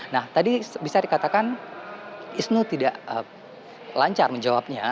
nah tadi bisa dikatakan isnu tidak lancar menjawabnya